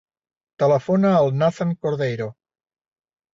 Telefona al Nathan Cordeiro.